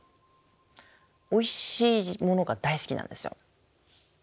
おいしいものが大好きなんですよ。